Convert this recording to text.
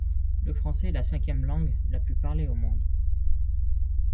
Le français est la cinquième langue la plus parlée au monde.